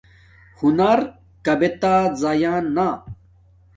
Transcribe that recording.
ہنر کابتہ زایا نا